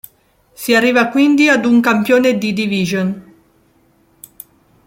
Si arriva quindi ad un campione di division.